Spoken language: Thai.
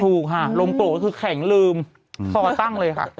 ถูกค่ะลมโกรธคือแข็งลืมคอตั้งเลยค่ะ